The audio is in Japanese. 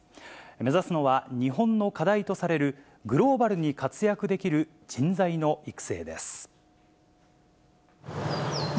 目指すのは、日本の課題とされるグローバルに活躍できる人材の育成です。